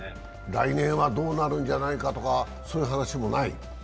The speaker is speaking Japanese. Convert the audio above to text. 来年はどうなるんじゃないかとかそういう話もない？